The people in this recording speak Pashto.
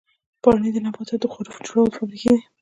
پاڼې د نبات د خوړو جوړولو فابریکې دي